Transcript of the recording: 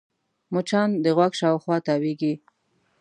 مچان د غوږ شاوخوا تاوېږي